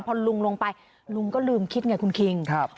พอลุงลงไปลุงก็ลืมคิดไงคุณคิง